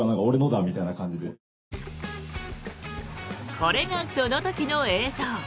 これがその時の映像。